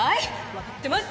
わかってます！